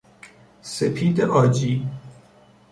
سپید عاجی